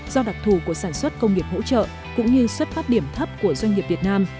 do đặc thù của sản xuất công nghiệp hỗ trợ cũng như xuất phát điểm thấp của doanh nghiệp việt nam